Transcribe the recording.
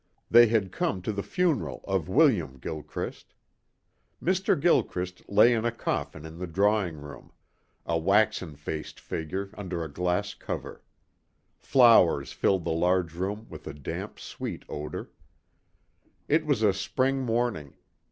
They had come to the funeral of William Gilchrist. Mr. Gilchrist lay in a coffin in the drawing room, a waxen faced figure under a glass cover. Flowers filled the large room with a damp, sweet odor. It was a spring morning.